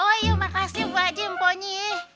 oh iya makasih mbak jempolnya